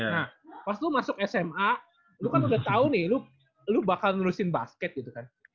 nah pas lu masuk sma lo kan udah tau nih lu bakal nulisin basket gitu kan